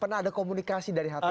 pernah ada komunikasi dari hati ke hati